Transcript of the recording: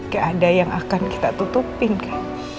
gak ada yang akan kita tutupin kan